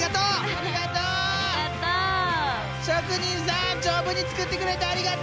職人さん丈夫に作ってくれてありがとう！